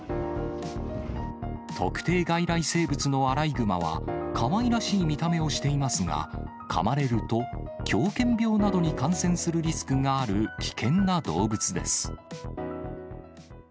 特定外来生物のアライグマは、かわいらしい見た目をしていますが、かまれると狂犬病などに感染するリスクがある危険な動物です。